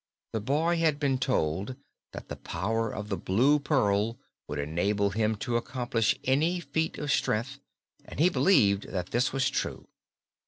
The boy had been told that the power of the Blue Pearl would enable him to accomplish any feat of strength, and he believed that this was true.